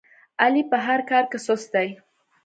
علي په هر کار کې سست دی.